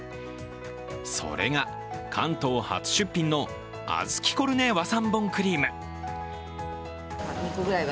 それが関東初出品のあずきコルネ和三盆クリーム。